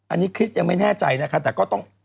อันนี้คริสยังไม่แน่ใจนะคะแต่ก็ต้อง